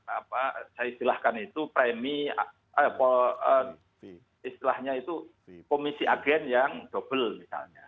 apa saya istilahkan itu premi istilahnya itu komisi agen yang double misalnya